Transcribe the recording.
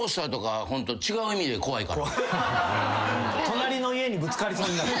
隣の家にぶつかりそうになる。